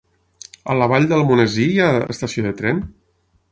A la Vall d'Almonesir hi ha estació de tren?